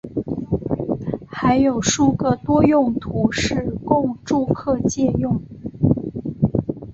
还有数个多用途室供住客借用。